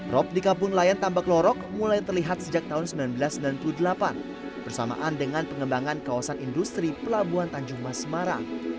rop di kampung nelayan tambak lorok mulai terlihat sejak tahun seribu sembilan ratus sembilan puluh delapan bersamaan dengan pengembangan kawasan industri pelabuhan tanjung mas semarang